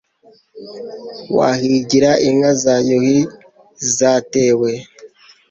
Wahigira inka za Yuhi zatewe